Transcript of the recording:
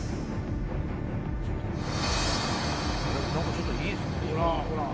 でも何かちょっといいっすね。